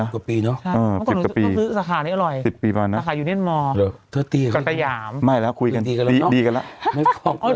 เนาะข้างนอกก็ต้องซื้อสาขานี้อร่อยหล่อยสาขายูนิดมอร์กรณ์ตะหย่าม